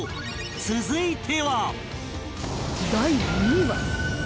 続いては